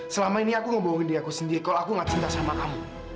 selama ini aku membohongi diriku sendiri kalau aku tidak cinta sama kamu